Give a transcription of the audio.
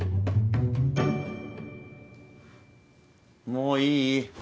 もういい？